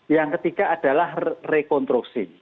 yang ketiga adalah rekonstruksi